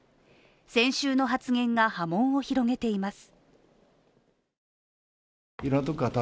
先週の発言が波紋を広げています。